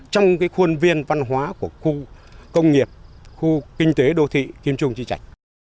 trong cái khuôn viên văn hóa của khu công nghiệp khu kinh tế đô thị kiêm trung chi trạch